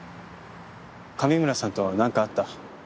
上村さんと何かあった？